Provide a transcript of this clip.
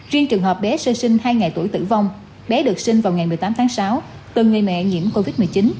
riêng trường hợp bé sơ sinh hai ngày tuổi tử vong bé được sinh vào ngày một mươi tám tháng sáu từ người mẹ nhiễm covid một mươi chín